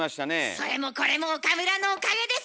それもこれも岡村のおかげです！